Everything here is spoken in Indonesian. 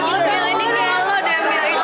ini kayak lo udah ambil aja